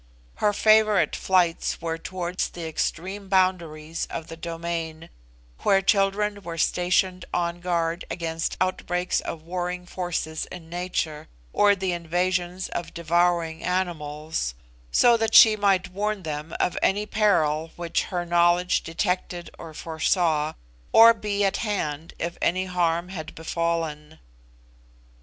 Her favourite flights were towards the extreme boundaries of the domain where children were stationed on guard against outbreaks of warring forces in nature, or the invasions of devouring animals, so that she might warn them of any peril which her knowledge detected or foresaw, or be at hand if any harm had befallen.